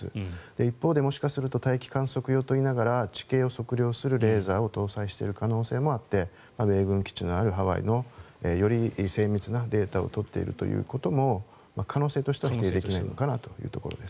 一方でもしかすると大気観測用と言いながら地形を測量するレーザーを搭載している可能性もあって米軍基地があるハワイのより精密なデータを取っていることも可能性としては否定できないのかなというところです。